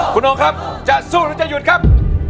คุณโอครับจะสู้หรือจะหยุดครับ